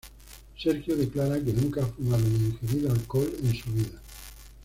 Sergio declara que nunca ha fumado ni ingerido alcohol en su vida.